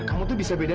kamu tuh bisa beda